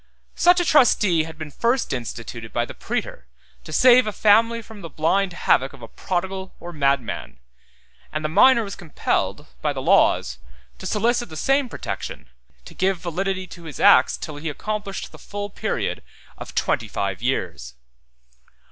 Such a trustee had been first instituted by the praetor, to save a family from the blind havoc of a prodigal or madman; and the minor was compelled, by the laws, to solicit the same protection, to give validity to his acts till he accomplished the full period of twenty five years.